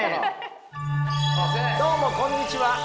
どうもこんにちは。